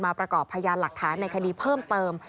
ประกอบพยานหลักฐานในคดีเพิ่มเติม